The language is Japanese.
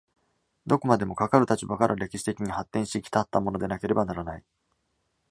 どこまでもかかる立場から歴史的に発展し来ったものでなければならない。